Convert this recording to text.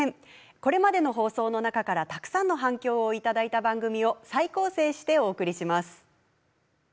これまでの放送の中からたくさんの反響を頂いた番組を再構成してお送りします。